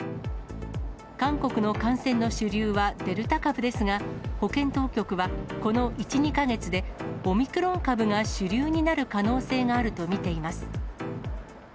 韓国の感染の主流はデルタ株ですが、保健当局は、この１、２か月で、オミクロン株が主流になる可能性があると見ています。